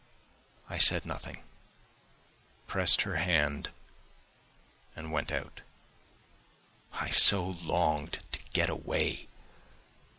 I said nothing, pressed her hand and went out. I so longed to get away